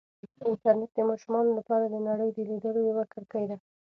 انټرنیټ د ماشومانو لپاره د نړۍ د لیدلو یوه کړکۍ ده.